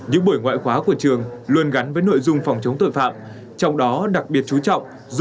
những buổi ngoại khóa của trường luôn gắn với nội dung phòng chống tội phạm trong đó đặc biệt chú trọng